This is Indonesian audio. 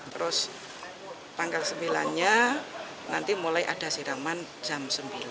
terus tanggal sembilan nya nanti mulai ada siraman jam sembilan